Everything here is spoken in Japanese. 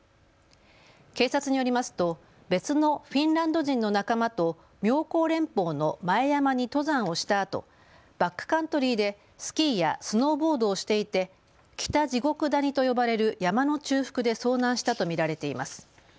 警察によりますと別のフィンランド人の仲間と妙高連峰の前山に登山をしたあと、バックカントリーでスキーやスノーボードをしていて北地獄谷と呼ばれる山の中腹で遭難したと見られています。